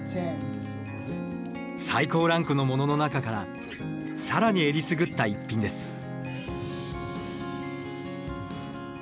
最高ランクのものの中から更にえりすぐった逸品です。